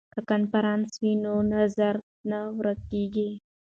که کنفرانس وي نو نظر نه ورک کیږي.